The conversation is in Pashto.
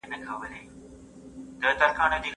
ماشومان له والدینو څخه تقلید کوي.